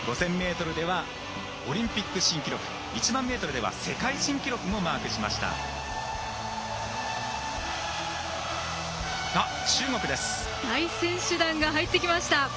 ５０００ｍではオリンピック新記録１００００ｍでは世界新記録もマークしました。